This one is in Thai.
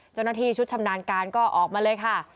เจ้าหน้าที่ชุดชำนาญการก็ออกมาเลยค่ะ